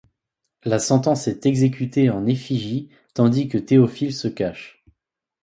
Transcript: La sentence est exécutée en effigie tandis que Théophile se cache.